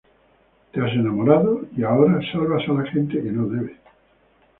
te has enamorado y, ahora, salvas a la gente que no debes.